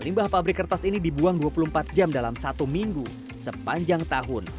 limbah pabrik kertas ini dibuang dua puluh empat jam dalam satu minggu sepanjang tahun